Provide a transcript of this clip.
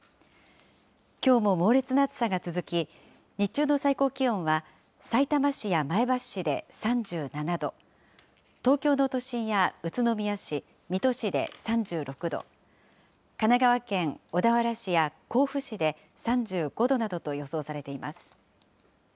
きょうも猛烈な暑さが続き、日中の最高気温はさいたま市や前橋市で３７度、東京の都心や宇都宮市、水戸市で３６度、神奈川県小田原市や甲府市で３５度などと予想されています。